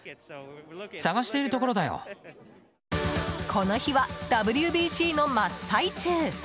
この日はＷＢＣの真っ最中。